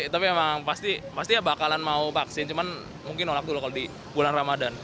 tapi emang pasti ya bakalan mau vaksin cuman mungkin nolak dulu kalau di bulan ramadhan